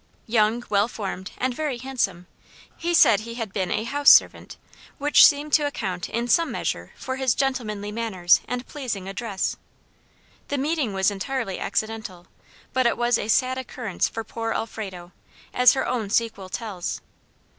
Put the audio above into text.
Young, well formed and very handsome, he said he had been a HOUSE servant, which seemed to account in some measure for his gentlemanly manners and pleasing address. The meeting was entirely accidental; but it was a sad occurrence for poor Alfrado, as her own sequel tells.